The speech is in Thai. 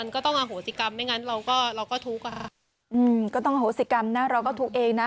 ก็ต้องอโหสิกรรมเราก็ทุกข์เองนะ